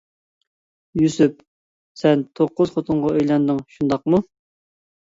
يۈسۈپ: سەن توققۇز خوتۇنغا ئۆيلەندىڭ شۇنداقمۇ.